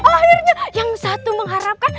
akhirnya yang satu mengharapkan